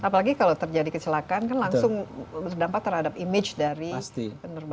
apalagi kalau terjadi kecelakaan kan langsung berdampak terhadap image dari penerbangan